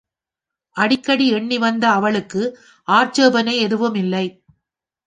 அடிக்கடி எண்ணி வந்த அவளுக்கு ஆட்சேபணை எதுவுமில்லை.